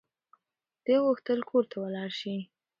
ده غوښتل کور ته ولاړ شي.